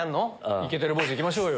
イケてるボイスいきましょうよ。